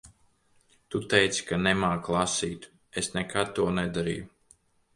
Tu teici ka nemāki lasīt. Es nekad to nedarīju.